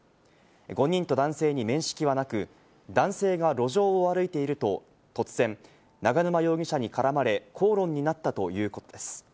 ５人と男性に面識はなく、男性が路上を歩いていると、突然、永沼容疑者に絡まれ、口論になったということです。